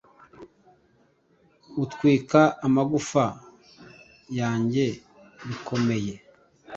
utwika amagufa yanjye bikomeye